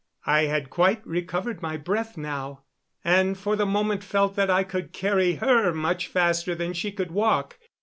I had quite recovered my breath now, and for the moment felt that I could carry her much faster than she could walk.